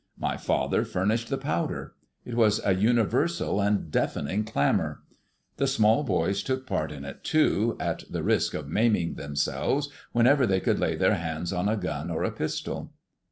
My father furnished the powder. It was a universal and deafening clamor. The small boys took part in it too, at the risk of maiming themselves, whenever they could lay their hands on a gun or a pistol.